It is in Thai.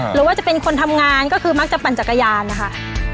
หรือว่าจะเป็นคนทำงานก็คือมักจะปั่นจักรยานนะคะ